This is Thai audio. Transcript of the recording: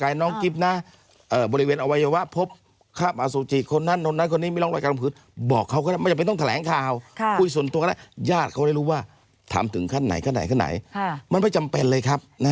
ย่าดเขาจะรู้ว่าถามถึงขั้นไหนขั้นไหนก็น่าไม่จำเป็นเลยครับ